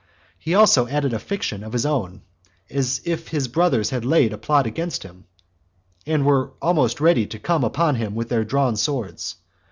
He also added a fiction of his own, as if his brothers had laid a plot against him, and were almost ready to come upon him with their drawn swords.